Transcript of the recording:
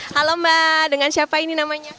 halo mbak dengan siapa ini namanya